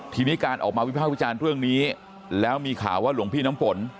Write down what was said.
ทีนี้การออกมาวิภาควิจารณ์เรื่องนี้แล้วมีข่าวว่าหลวงพี่น้ำฝน